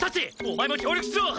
お前も協力しろ。